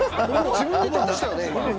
自分で倒したよね？